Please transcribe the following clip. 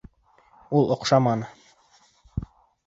Ул оҡшаманы